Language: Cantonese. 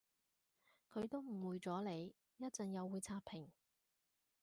佢都誤會咗你，一陣又會刷屏